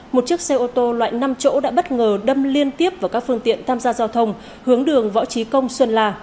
một chiếc xe ô tô loại năm chỗ đã bất ngờ đâm liên tiếp vào các phương tiện tham gia giao thông hướng đường võ trí công xuân la